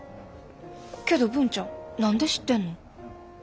けど文ちゃん何で知ってんの？